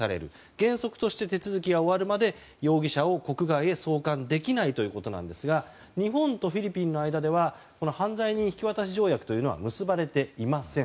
原則として手続きが終わるまで容疑者を国外へ送還できないということですが日本とフィリピンの間では犯罪人引き渡し条約は結ばれていません。